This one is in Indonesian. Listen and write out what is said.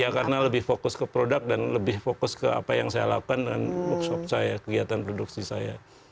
ya karena lebih fokus ke produk dan lebih fokus ke apa yang saya lakukan dengan workshop saya kegiatan produksi saya